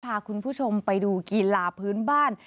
พาคุณผู้ชมไปดูกีฬาพื้นบ้าน